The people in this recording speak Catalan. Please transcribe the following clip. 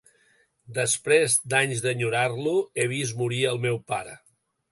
Després d'anys d'enyorar-lo, he vist morir el meu pare.